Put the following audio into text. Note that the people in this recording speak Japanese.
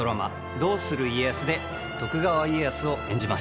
「どうする家康」で徳川家康を演じます